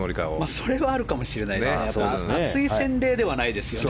それはあるかもしれないですね。